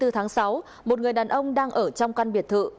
tháng sáu một người đàn ông đang ở trong căn biệt thự